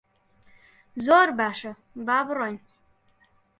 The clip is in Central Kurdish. زۆر باشە، با بڕۆین.